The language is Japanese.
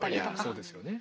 そうですよね。